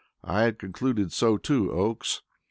"I had concluded so too, Oakes.